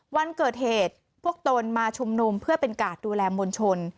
วันเกิดเหตุพวกตนมาชุมนุมเพื่อเป็นกาดดูแลมวลชน